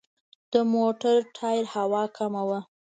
د موټر ټایر هوا کمه وه.